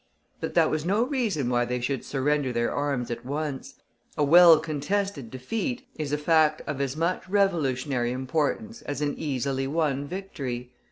But that was no reason why they should surrender their arms at once. A well contested defeat is a fact of as much revolutionary importance as an easily won victory.